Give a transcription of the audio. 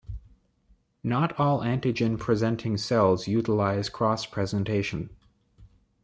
Not all antigen-presenting cells utilize cross-presentation.